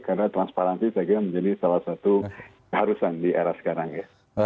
karena transparansi saya kira menjadi salah satu keharusan di era sekarang ya